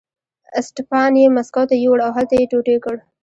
اسټپان یې مسکو ته یووړ او هلته یې ټوټې کړ.